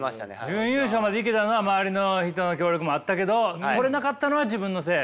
準優勝までいけたのは周りの人の協力もあったけど取れなかったのは自分のせい。